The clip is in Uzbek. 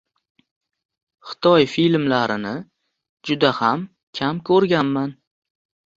Xitoy filmlarini juda ham kam koʻrganman.